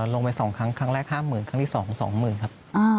ลงไป๒ครั้งครั้งแรก๕๐๐๐ครั้งที่๒๒๐๐๐ครับ